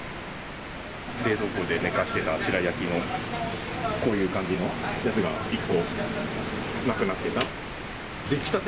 冷蔵庫で寝かしてた白焼きの、こういう感じのやつが１個なくなっていた。